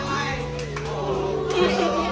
สวัสดีครับทุกคน